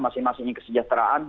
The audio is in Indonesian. masing masing ingin kesejahteraan